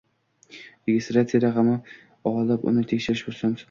Registratsiya raqami olib, uni tekshirib tursin